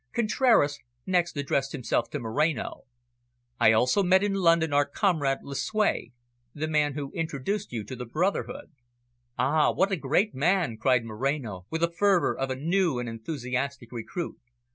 Contraras next addressed himself to Moreno. "I also met in London our comrade Lucue, the man who introduced you to the brotherhood." "Ah, what a great man!" cried Moreno, with the fervour of a new and enthusiastic recruit.